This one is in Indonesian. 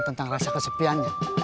tentang rasa kesepiannya